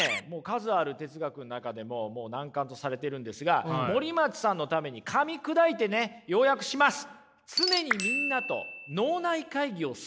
数ある哲学の中でももう難関とされているんですが森松さんのためにかみ砕いてね要訳します。